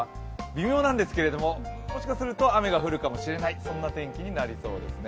微妙なんですけどももしかすると雨が降るかもしれない、そんな天気になりそうです。